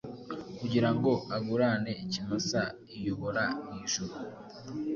kugirango agurane ikimasa iyobora mwijuru